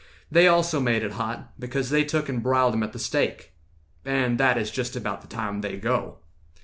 They also made it hot, Because they took and briled him at the stake. And that is just about the time they go.